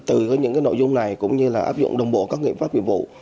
từ những nội dung này cũng như áp dụng đồng bộ các nghiệp pháp viện vụ